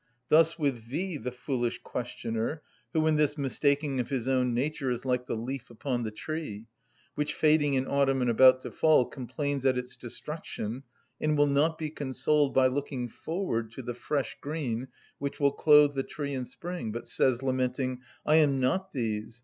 —thus with thee, the foolish questioner, who in this mistaking of his own nature is like the leaf upon the tree, which, fading in autumn and about to fall, complains at its destruction, and will not be consoled by looking forward to the fresh green which will clothe the tree in spring, but says lamenting, "I am not these!